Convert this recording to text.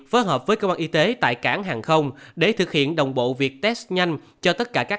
phối hợp với cơ quan y tế tại cảng hàng không để thực hiện đồng bộ việc test nhanh cho tất cả các